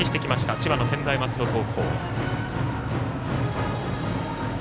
千葉の専大松戸高校。